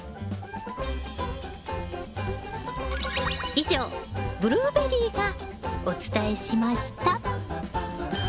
以上ブルーベリーがお伝えしました。